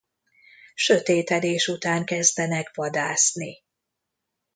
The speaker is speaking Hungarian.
Sötétedés után kezdenek vadászni.